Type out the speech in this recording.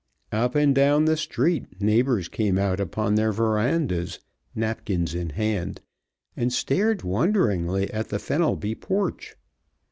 Up and down the street neighbors came out upon their verandas, napkins in hand, and stared wonderingly at the Fenelby porch.